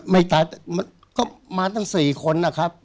ไม่ตายก็มาตั้งสี่คนนะครับ